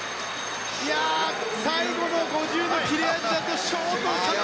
最後の５０の切れ味だとショートかな？